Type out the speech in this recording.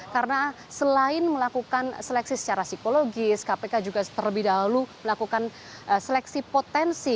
karena selain melakukan seleksi secara psikologis kpk juga terlebih dahulu melakukan seleksi potensi